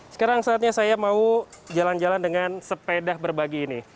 sekarang saatnya saya mau jalan jalan dengan sepeda berbagi ini